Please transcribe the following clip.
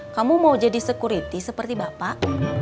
kamu mau jadi security seperti bapak